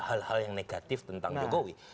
hal hal yang negatif tentang jokowi